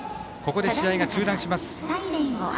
ここで試合が中断します。